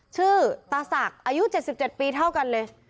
ชื่อตาสักอายุ๗๗ปีเท่ากันเลย